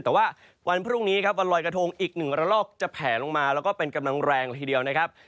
แต่ว่าวันพรุ่งนี้ครับวันลอยกระทงอีก๑ระลอกจะแผลลงมาแล้วก็เป็นกำลังแรงละทีเดียวนะครับ